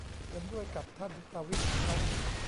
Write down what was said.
เห็นด้วยกับท่านประวิตรครับ